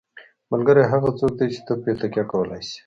ملګری هغه څوک دی چې ته پرې تکیه کولی شې.